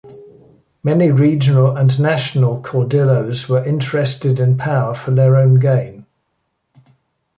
Many regional and national caudillos were interested in power for their own gain.